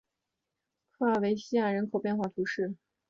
科尔韦西亚人口变化图示